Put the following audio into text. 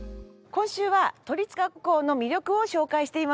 今週は都立学校の魅力を紹介しています。